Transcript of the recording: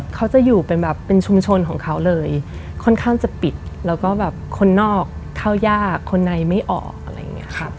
เขาจะอยู่เป็นแบบเป็นชุมชนของเขาเลยค่อนข้างจะปิดแล้วก็แบบคนนอกเข้ายากคนในไม่ออกอะไรอย่างนี้ครับ